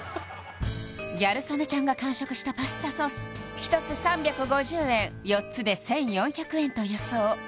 ギャル曽根ちゃんが完食したパスタソース１つ３５０円４つで１４００円と予想